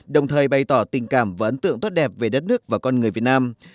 đồng thời bày tỏ tình cảm và ấn tượng tốt đẹp về đất nước và con người việt nam